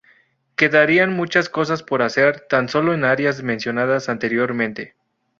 Quedarían muchas cosas por hacer tan sólo en las áreas mencionadas anteriormente.